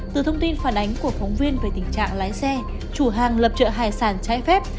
từ thông tin phản ánh của phóng viên về tình trạng lái xe chủ hàng lập trợ hải sản trái phép